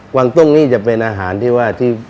วังตุ้งนี่จะเป็นอาหารที่ว่าที่